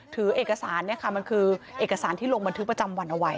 ถือเอกสารเนี่ยค่ะมันคือเอกสารที่ลงบันทึกประจำวันเอาไว้